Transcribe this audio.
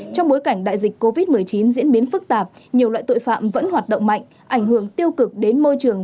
trong bối cảnh đại dịch covid một mươi chín diễn biến phức tạp nhiều loại tội phạm vẫn hoạt động mạnh ảnh hưởng tiêu cực đến môi trường